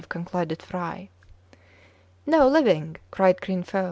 concluded Fry. " No, living/* cried Kin Fo.